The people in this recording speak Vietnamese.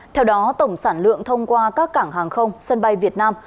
theo đó tổng sản lượng thông qua các cảng hàng không sân bay việt nam